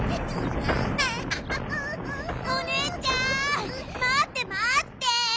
おねえちゃんまってまって。